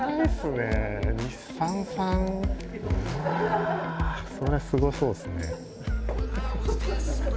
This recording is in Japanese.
うわそれはすごそうっすね。